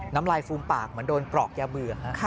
น้ำลายฟูมปากเหมือนโดนปลอกยาเบื่อ